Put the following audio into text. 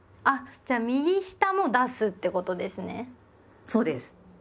じゃあ右下も出すってことですね。